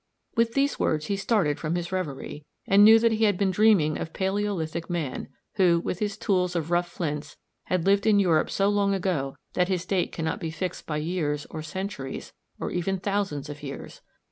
_" With these words he started from his reverie, and knew that he had been dreaming of Palæolithic man who, with his tools of rough flints, had lived in Europe so long ago that his date cannot be fixed by years, or centuries, or even thousands of years.